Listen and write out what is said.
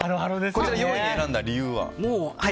こちら４位に選んだ理由は？